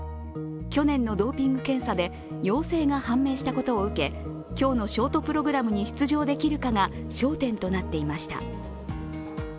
去年のドーピング検査で陽性が判明したことを受け、今日のショートプログラムに出場できるかが焦点となっていました。